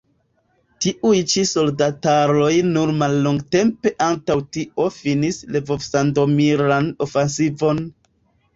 Tiuj ĉi soldataroj nur mallongtempe antaŭ tio finis Lvov-sandomiran ofensivon.